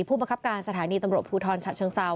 ผู้บังคับการณ์สถานีตภูทรชาชเชิงเซา